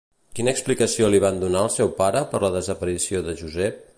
Quina explicació li van donar al seu pare per la desaparició de Josep?